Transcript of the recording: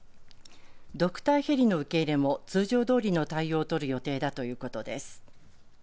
ドクターヘリの受け入れも通常どおりの対応を取る予定だということです。